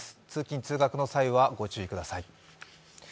通勤・通学の際、ご注意ください。